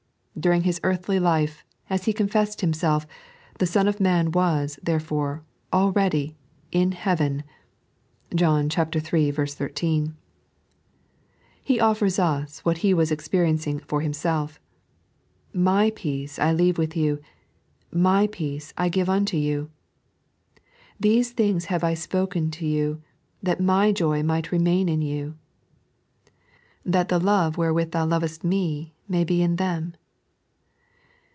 During His earthly life, as He confessed Himself, the Son of iMan was, therefore, already " in heaven " (John iii. 13). He offers us what He was experiencing for Himself. " J/y peace I leave with yon ; My peace I give unto you." " These things have I spoken unto you, that Mj/ joy might remain in you." "That the love wherewith Thoa loveat Me may be in them."